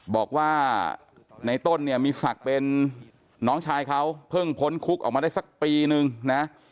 บอกว่าในต้นเนี่ยมีศักดิ์เป็นน้องชายเขาเพิ่งพ้นคุกออกมาได้สักปีนึงนะ